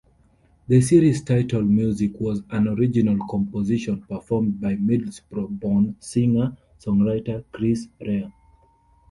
The series title music was an original composition performed by Middlesbrough-born singer-songwriter Chris Rea.